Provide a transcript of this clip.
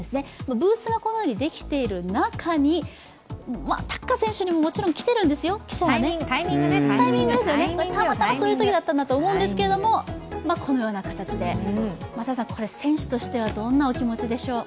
ブースがこのようにできている中にタッカー選手にももちろん来てるんですよ、記者がタイミングですよね、たまたまそういうときだったと思うんですが、このような形で選手としてはどんな気持ちでしょう？